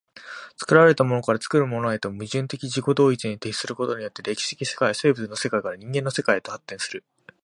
作られたものから作るものへとして、矛盾的自己同一に徹することによって、歴史的世界は生物の世界から人間の世界へと発展する。